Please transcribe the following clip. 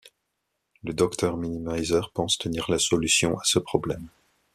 Le Dr Minimizer pense tenir la solution à ce problème.